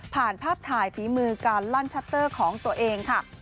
ภาพถ่ายฝีมือการลั่นชัตเตอร์ของตัวเองค่ะ